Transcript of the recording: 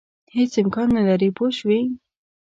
هېڅ امکان نه لري پوه شوې!.